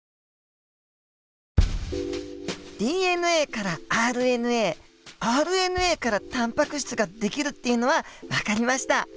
ＤＮＡからＲＮＡＲＮＡからタンパク質が出来るっていうのは分かりました。